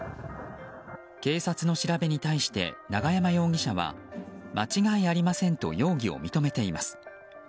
警察の調べに対して永山容疑者は間違いありませんと容疑を認めています。